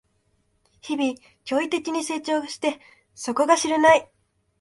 日々、驚異的に成長して底が知れない